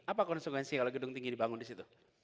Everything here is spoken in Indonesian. apa konsekuensi kalau gedung tinggi dibangun di situ